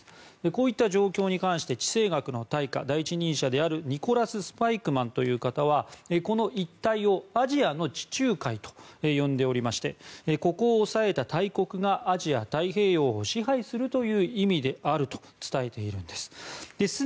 こういった状況に関して地政学の大家、第一人者であるニコラス・スパイクマンという方はこの一帯をアジアの地中海と呼んでおりましてここを押さえた大国がアジア太平洋を支配するという意味であると伝えているんです。